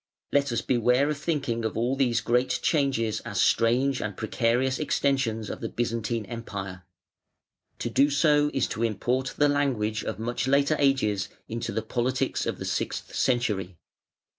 Let us beware of thinking of all these great changes as strange and precarious extensions of "the Byzantine Empire". To do so is to import the language of much later ages into the politics of the sixth century.